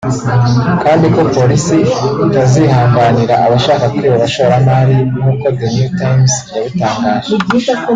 kandi ko Polisi itazihanganira abashaka kwiba abashoramari nk’uko The New Times yabitangaje